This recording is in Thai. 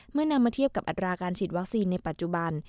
นำมาเทียบกับอัตราการฉีดวัคซีนในปัจจุบัน